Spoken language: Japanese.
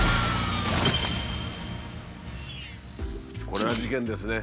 これは事件ですね。